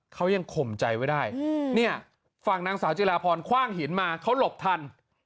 เขายังข่มใจไว้ได้เนี่ยฝั่งนางสาวจิลาพรคว่างหินมาเขาหลบทัน